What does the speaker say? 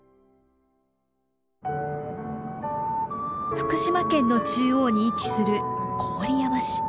福島県の中央に位置する郡山市。